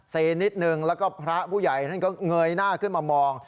นิดนึงแล้วก็พระผู้ใหญ่ท่านก็เงยหน้าขึ้นมามอง